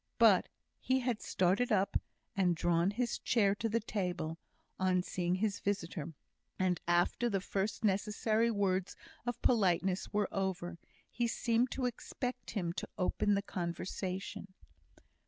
But he had started up, and drawn his chair to the table, on seeing his visitor; and, after the first necessary words of politeness were over, he seemed to expect him to open the conversation.